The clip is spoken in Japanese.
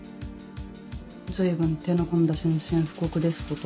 随分手の込んだ宣戦布告ですこと。